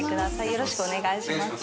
よろしくお願いします。